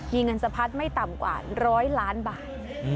มีเงินสะพัดไม่ต่ำกว่า๑๐๐ล้านบาท